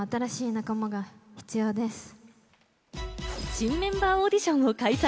新メンバーオーディションを開催。